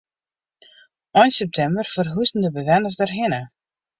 Ein septimber ferhuzen de bewenners dêrhinne.